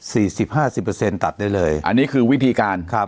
สิบห้าสิบเปอร์เซ็นตัดได้เลยอันนี้คือวิธีการครับ